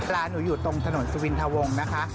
ร้านหนูอยู่ตรงถนนสุวินทะวงนะคะ